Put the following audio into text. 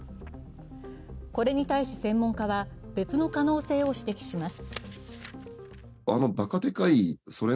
これに対し専門家は別の可能性を指摘します。